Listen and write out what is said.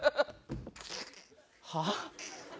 はあ？